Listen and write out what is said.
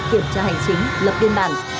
kiểm tra hành chính lập biên bản